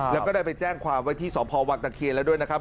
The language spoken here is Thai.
แล้วก็ได้ไปแจ้งความว่าที่สอบพอวัตเกียร์แล้วด้วยนะครับ